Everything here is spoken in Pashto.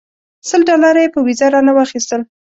سل ډالره یې په ویزه رانه واخیستل.